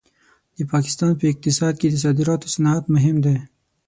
د پاکستان په اقتصاد کې د صادراتو صنعت مهم دی.